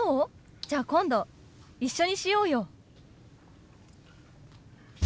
じゃ今度一緒にしようよ。